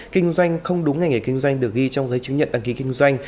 kinh doanh không đúng ngành nghề kinh doanh được ghi trong giấy chứng nhận đăng ký kinh doanh